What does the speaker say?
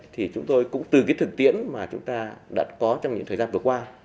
thì chúng tôi cũng từ cái thực tiễn mà chúng ta đã có trong những thời gian vừa qua